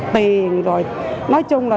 tiền nói chung là